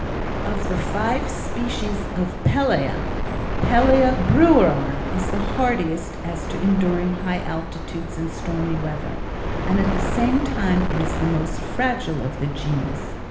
Of the five species of pellæa, P. Breweri is the hardiest as to enduring high altitudes and stormy weather and at the same time it is the most fragile of the genus.